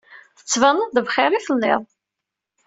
Tettbaneḍ-d bxir i telliḍ.